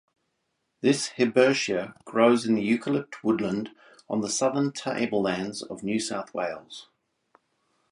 This hibbertia grows in eucalypt woodland on the Southern Tablelands of New South Wales.